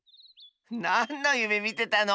なんのゆめみてたの？